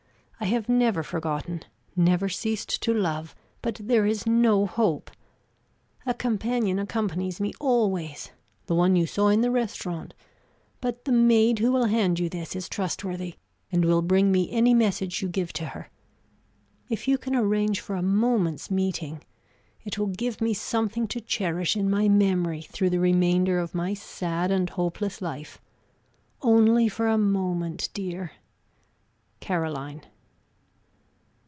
I have never forgotten, never ceased to love; but there is no hope! A companion accompanies me always, the one you saw in the restaurant; but the maid who will hand you this is trustworthy, and will bring me any message you give to her. If you can arrange for a moment's meeting it will give me something to cherish in my memory through the remainder of my sad and hopeless life. Only for a moment, dear. "Caroline."